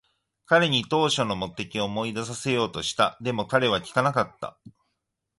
彼に当初の目的を思い出させようとした。でも、彼は聞かなかった。